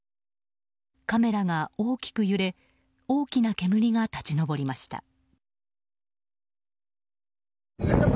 カメラが大きく揺れ大きな煙が立ち上りました。